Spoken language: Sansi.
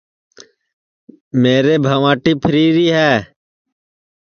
میری بھنٚواٹی پھیریری ہے